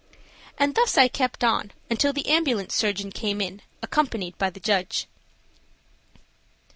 and thus I kept on until the ambulance surgeon came in, accompanied by the judge.